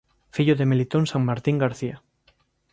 Fillo de Melitón Sanmartín García.